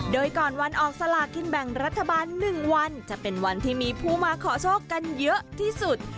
โดยก่อนวันออกสลากินแบ่งรัฐบาล๑วันจะเป็นวันที่มีผู้มาขอโชคกันเยอะที่สุด